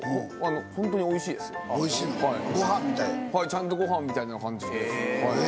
ちゃんとご飯みたいな感じです。